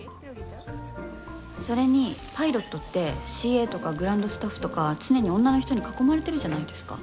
それにパイロットってＣＡとかグランドスタッフとか常に女の人に囲まれてるじゃないですか。